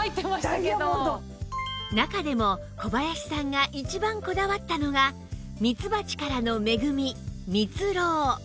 中でも小林さんが一番こだわったのがミツバチからの恵みミツロウ